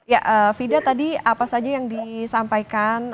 ya fida tadi apa saja yang disampaikan